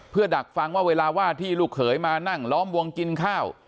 เพื่อดักฟังว่าเวลาว่าที่ลูกเขยมานั่งล้อมวงกินข้าว